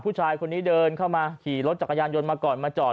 ผู้ชายคนนี้เดินเข้ามาขี่รถจักรยานยนต์มาก่อนมาจอด